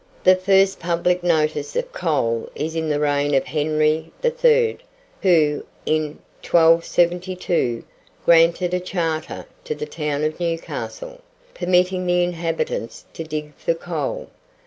The first public notice of coal is in the reign of Henry III., who, in 1272, granted a charter to the town of Newcastle, permitting the inhabitants to dig for coal.